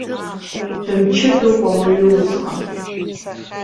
Дымчыдоуп ауаҩы усҟан.